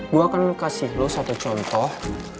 gue akan kasih lo satu contoh